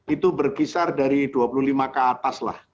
itu berkisar dari dua puluh lima ke atas lah